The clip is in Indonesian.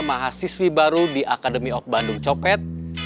mahasiswi baru di akademi of bandung copet